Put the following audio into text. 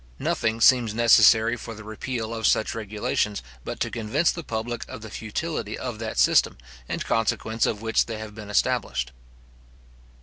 Nothing seems necessary for the repeal of such regulations, but to convince the public of the futility of that system in consequence of which they have been established.